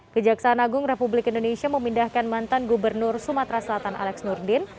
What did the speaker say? kejaksaan agung republik indonesia memindahkan mantan gubernur sumatera selatan alex nurdin